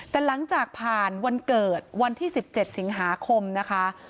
แต่หลังจากผ่านวันเกิดวันที่๑๗สิงหาคมนะคะ